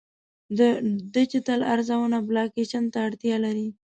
د ډیجیټل ارزونه بلاکچین ته اړتیا لري.